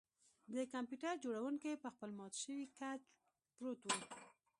د کمپیوټر جوړونکی په خپل مات شوي کوچ پروت و